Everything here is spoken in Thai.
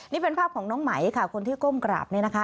นี่เป็นภาพของน้องไหมค่ะคนที่ก้มกราบเนี่ยนะคะ